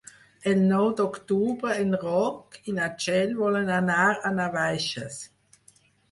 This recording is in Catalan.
El nou d'octubre en Roc i na Txell volen anar a Navaixes.